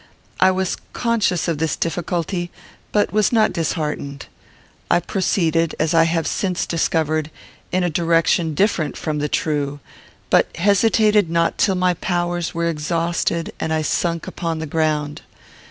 I was conscious of this difficulty, but was not disheartened. I proceeded, as I have since discovered, in a direction different from the true, but hesitated not till my powers were exhausted and I sunk upon the ground.